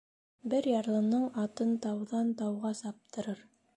Бер ярлының атын тауҙан тауға саптырыр.